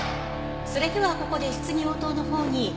それではここで質疑応答の方に。